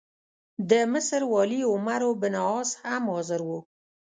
د مصر والي عمروبن عاص هم حاضر وو.